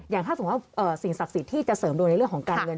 ถ้าสมมุติว่าสิ่งศักดิ์สิทธิ์ที่จะเสริมดวงในเรื่องของการเงิน